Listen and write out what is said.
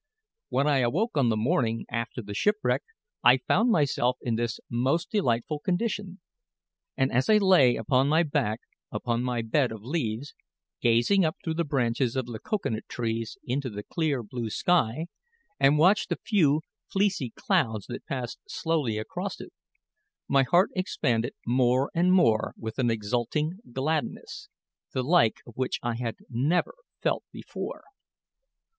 When I awoke on the morning after the shipwreck, I found myself in this most delightful condition; and as I lay on my back upon my bed of leaves, gazing up through the branches of the cocoa nut trees into the clear blue sky, and watched the few fleecy clouds that passed slowly across it, my heart expanded more and more with an exulting gladness, the like of which I had never felt before.